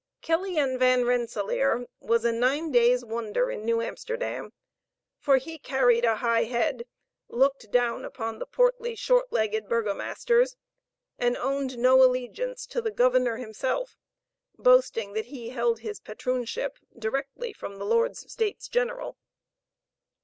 Killian Van Rensellaer was a nine day's wonder in New Amsterdam, for he carried a high head, looked down upon the portly, short legged burgomasters, and owned no allegiance to the governor himself; boasting that he held his patroonship directly from the Lords States General.